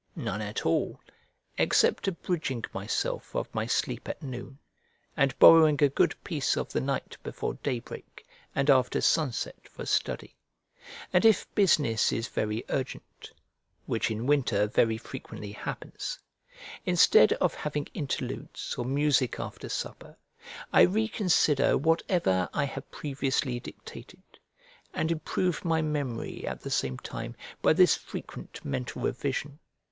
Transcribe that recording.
None at all, except abridging myself of my sleep at noon, and borrowing a good piece of the night before daybreak and after sunset for study: and if business is very urgent (which in winter very frequently happens), instead of having interludes or music after supper, I reconsider whatever I have previously dictated, and improve my memory at the same time by this frequent mental revision.